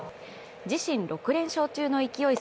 自身６連勝中の勢い